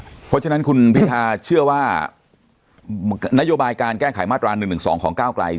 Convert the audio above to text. เพราะฉะนั้นคุณพิทาเชื่อว่านโยบายการแก้ไขมาตรา๑๑๒ของก้าวไกล